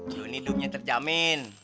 joni hidupnya terjamin